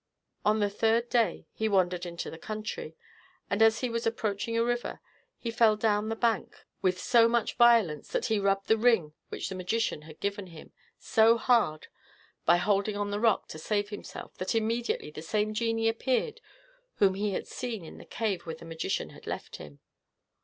On the third day he wandered into the country, and, as he was approaching a river, he fell down the bank with so much violence that he rubbed the ring which the magician had given him, so hard, by holding on the rock to save himself, that immediately the same genie appeared whom he had seen in the cave where the magician had left him.